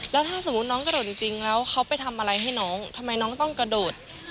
แล้วถ้าสมมุติน้องกระโดดจริงแล้วเขาไปทำอะไรให้น้องทำไมน้องต้องกระโดด